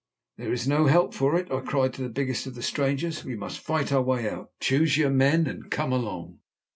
"There is no help for it!" I cried to the biggest of the strangers. "We must fight our way out. Choose your men and come along."